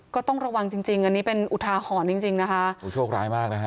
ก็ต้องระวังจริงจริงอันนี้เป็นอุทาหรณ์จริงจริงนะคะโอ้โชคร้ายมากนะฮะ